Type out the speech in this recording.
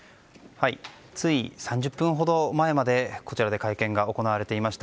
つい３０分ほど前までこちらで会見が行われていました。